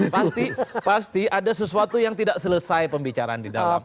pasti pasti ada sesuatu yang tidak selesai pembicaraan di dalam